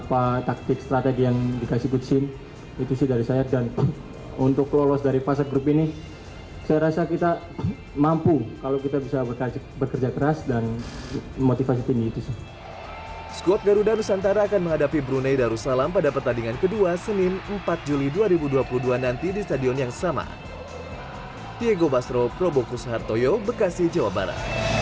pelatih kepala sinteyong pun mengakui anak anak asusnya perlu memperbaiki penyelesaian akhir mereka pada pertandingan berikutnya